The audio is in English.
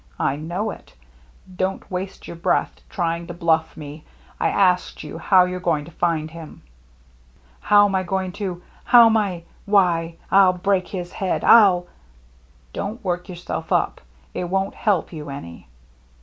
I know it. Don't waste your breath trying to blufF me. I asked you how you're going to find him." " How'm I going to — how'm I — why, I'll break his head — Til —" 3o8 THE MERRY ANNE " Don't work yourself up. It won't help you any."